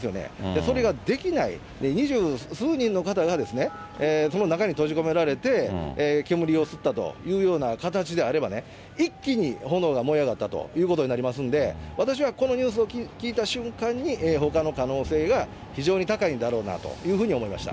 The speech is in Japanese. それができない、二十数人の方が、その中に閉じ込められて煙を吸ったというような形であれば、一気に炎が燃え上がったということになりますんで、私はこのニュースを聞いた瞬間に、放火の可能性が非常に高いんだろうなというふうに思いました。